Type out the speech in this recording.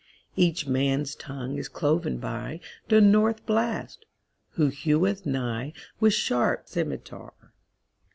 Each man's tongue is cloven byThe North Blast, who heweth nighWith sharp scymitar.